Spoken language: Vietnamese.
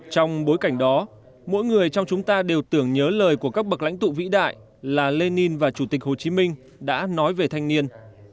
trong bối cảnh đó mỗi người trong chúng ta đều tưởng nhớ lời của các bậc lãnh tụ vĩ đại là lenin và chủ tịch hồ chí minh đã nói về thanh niên